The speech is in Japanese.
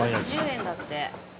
８８０円だって。